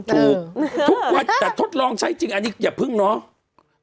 ถูกทุกวันแต่ทดลองใช้จริงอันนี้อย่าเพิ่งเนาะ